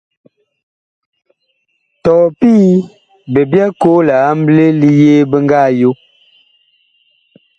Tɔɔ pii bi byɛɛ koo liamble yee bi nga yo.